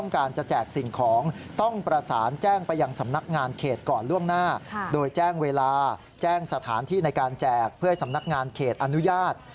การแจกเพื่อให้สำนักงานเขตอนุญาต